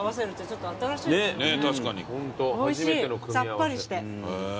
さっぱりして。